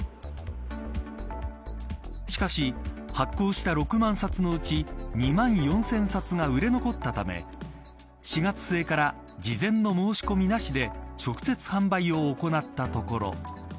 しかし、発行した６万冊のうち２万４０００冊が売れ残ったため４月末から事前の申し込みなしで直接販売を行ったところ。